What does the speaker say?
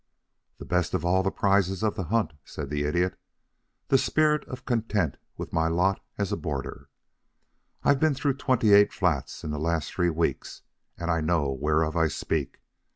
"The best of all the prizes of the hunt," said the Idiot; "the spirit of content with my lot as a boarder. I've been through twenty eight flats in the last three weeks, and I know whereof I speak.